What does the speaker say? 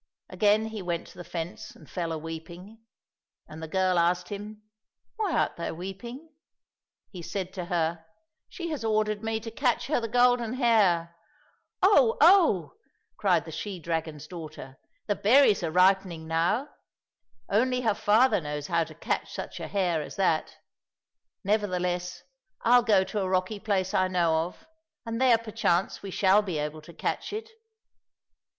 Again he went to the fence and fell a weeping. And the girl asked him, " Why art thou weeping ?"— He said to her, " She has ordered me to catch her the golden hare." —'* Oh, oh !" cried the she dragon's daughter, " the berries are ripening now ; only her father knows how to catch such a hare as that. Nevertheless, I'll go to a rocky place I know of, and there perchance we shall be able to catch it."